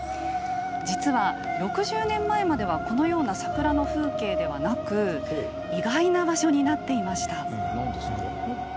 実は、６０年前まではこのような桜の風景ではなく意外な場所になっていました。